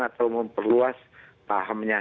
atau memperluas pahamnya